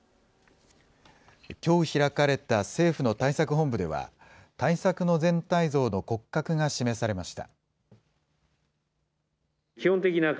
きょう開かれた政府の対策本部では、対策の全体像の骨格が示されました。